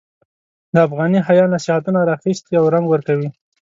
د افغاني حیا نصیحتونه یې را اخیستي او رنګ ورکوي.